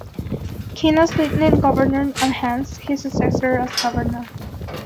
King as Lieutenant Governor and hence his successor as Governor.